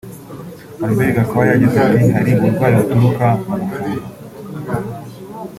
Albert Gakwaya yagize ati “Hari uburwayi buturuka mu gufuha